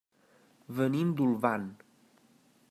Venim d'Olvan.